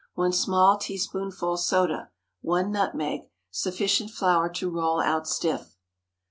1 small teaspoonful soda. 1 nutmeg. Sufficient flour to roll out stiff.